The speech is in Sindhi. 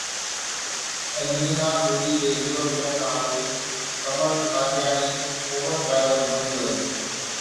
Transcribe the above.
انجلينا جولي جي هيرو ٿيڻ کان اڳ ڪمل نانجياڻي اوبر ڊرائيور بڻجي ويو